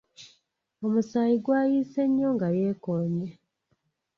Omusaayi gwayiise nnyo nga yeekoonye.